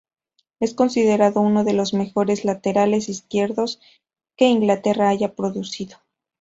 Es considerado uno de los mejores laterales izquierdos que Inglaterra haya producido.